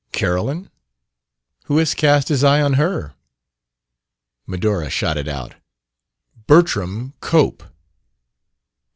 "Carolyn? Who has cast his eye on her?" Medora shot it out. "Bertram Cope!"